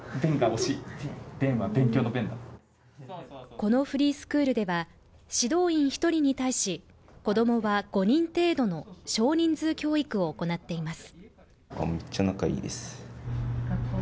このフリースクールでは、指導員１人に対し、子供は５人程度の少人数教育を行っています